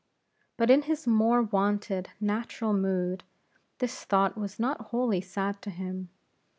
But in his more wonted natural mood, this thought was not wholly sad to him.